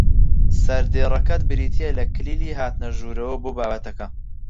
سەردێڕەکەت بریتییە لە کلیلی هاتنە ژوورەوە بۆ بابەتەکە